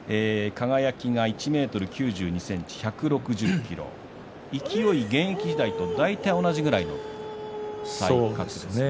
輝は１ｍ９２ｃｍ、１６０ｋｇ勢の現役時代と大体同じぐらいですかね。